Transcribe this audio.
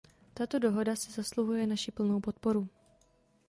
Tato dohoda si zasluhuje naši plnou podporu.